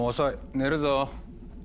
寝るぞ。